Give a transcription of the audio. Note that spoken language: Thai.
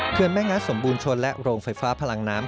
เครื่องแม่งงานสมบูรณชนและโรงไฟฟ้าพลังน้ำ